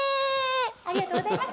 ありがとうございます